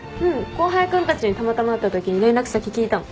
後輩君たちにたまたま会ったときに連絡先聞いたの。